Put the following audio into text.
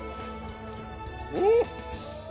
うん！